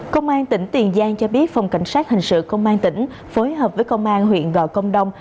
công an tỉnh tiền giang cho biết phòng cảnh sát hình sự công an tỉnh phối hợp với công an huyện gò công đông